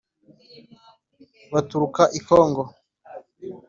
Baturuka i Kongo;